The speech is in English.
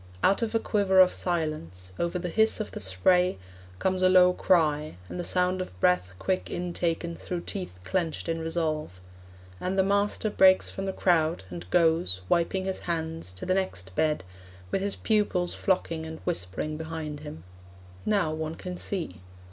Out of a quiver of silence, Over the hiss of the spray, Comes a low cry, and the sound Of breath quick intaken through teeth Clenched in resolve. And the master Breaks from the crowd, and goes, Wiping his hands, To the next bed, with his pupils Flocking and whispering behind him. Now one can see.